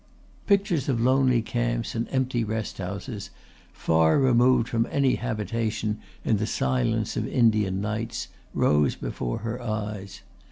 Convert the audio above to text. Pictures of lonely camps and empty rest houses, far removed from any habitation in the silence of Indian nights, rose before her eyes.